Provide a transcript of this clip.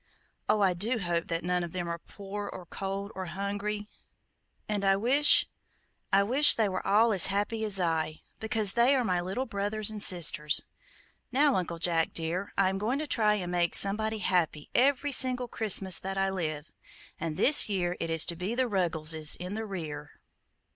Oh, I do hope that none of them are poor, or cold, or hungry; and I wish, I wish they were all as happy as I, because they are my little brothers and sisters. Now, Uncle Jack, dear, I am going to try and make somebody happy every single Christmas that I live, and this year it is to be the 'Ruggleses in the rear.'"